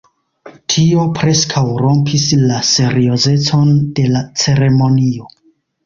Tio preskaŭ rompis la seriozecon de la ceremonio.